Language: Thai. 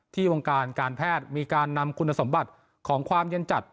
วงการการแพทย์มีการนำคุณสมบัติของความเย็นจัด